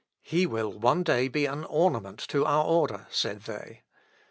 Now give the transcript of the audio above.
"He will one day be an ornament to our order," said they.